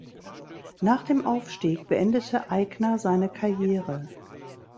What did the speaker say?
Nach dem Aufstieg beendete Aigner seine Karriere.